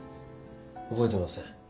覚えてません。